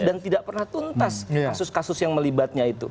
dan tidak pernah tuntas kasus kasus yang melibatnya itu